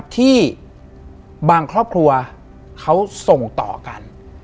ที่บางครอบครัวเขาส่งต่อกัน